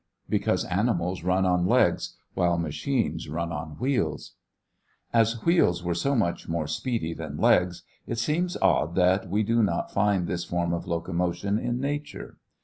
Because animals run on legs, while machines run on wheels. As wheels are so much more speedy than legs, it seems odd that we do not find this form of locomotion in nature.